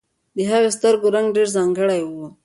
د هغې د سترګو رنګ ډېر ځانګړی و.